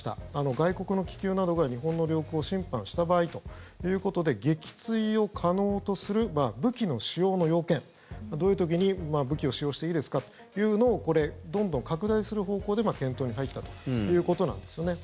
外国の気球などが日本の領空を侵犯した場合ということで撃墜を可能とする武器の使用の要件どういう時に、武器を使用していいですかというのをどんどん拡大する方向で検討に入ったということなんですよね。